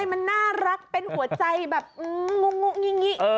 ทำไมมันน่ารักเป็นหัวใจแบบงูงี้